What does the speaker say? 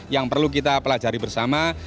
yang perlu kita pelajari bersama